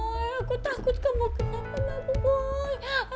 boy aku takut kamu kenapa kenapa boy